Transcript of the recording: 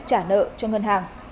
trả nợ cho ngân hàng